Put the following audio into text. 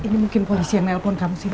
bu ini mungkin polisi yang nelpon kamu sih